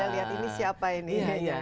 tidak ada lihat ini siapa ini